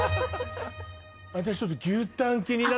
私ちょっと。